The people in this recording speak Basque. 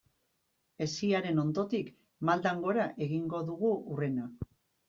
Hesiaren ondotik maldan gora egingo dugu hurrena.